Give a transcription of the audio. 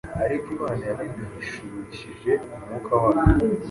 Ariko Imana yabiduhishurishije umwuka wayo: